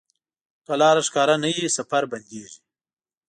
که لاره ښکاره نه وي، سفر بندېږي.